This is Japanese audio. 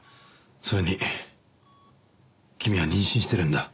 それに君は妊娠してるんだ。